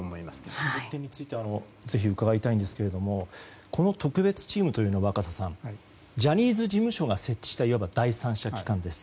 その点についてぜひ伺いたいんですがこの特別チームというのは若狭さんジャニーズ事務所が設置したいわば第三者機関です。